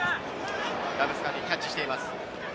ラブスカフニ、キャッチしています。